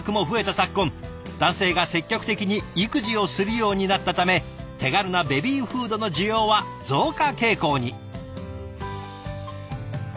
昨今男性が積極的に育児をするようになったため手軽なベビーフードの需要は増加傾向に。